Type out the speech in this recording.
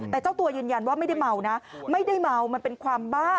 แต่เจ้าตัวยืนยันว่าไม่ได้เมานะไม่ได้เมามันเป็นความบ้า